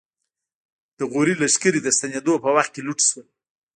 د غوري لښکرې د ستنېدو په وخت کې لوټ شول.